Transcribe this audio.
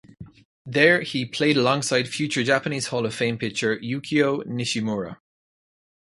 There he played alongside future Japanese Hall of Fame pitcher Yukio Nishimura.